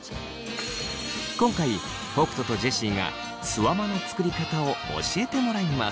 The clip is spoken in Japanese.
今回北斗とジェシーがすわまの作り方を教えてもらいます。